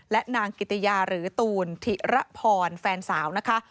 และนางกิติยาหรือตูนธิระพรแฟนสาวนะคะ